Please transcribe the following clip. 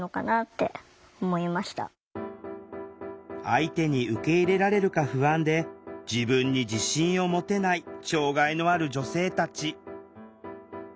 相手に受け入れられるか不安で自分に自信を持てない障害のある女性たち。